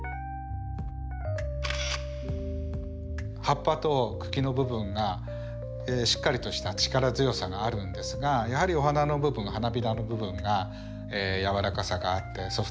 葉っぱと茎の部分がしっかりとした力強さがあるんですがやはりお花の部分花びらの部分が柔らかさがあってソフトな感じ。